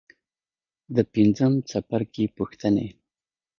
د پنځم څپرکي پوښتنې.